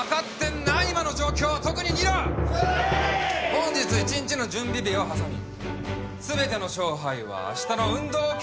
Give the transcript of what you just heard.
本日１日の準備日を挟み全ての勝敗はあしたの運動競技会で決する！